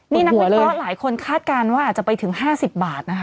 นี่คะหลายคนคาดการณ์ว่าอาจจะไปถึง๕๐บาท